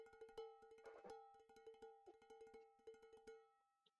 Arraunlari getariarrak esan digu bigarren liga irabazteak maila mantendu dutela esan nahi duela.